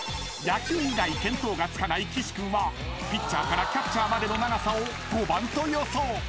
［野球以外見当がつかない岸君はピッチャーからキャッチャーまでの長さを５番と予想］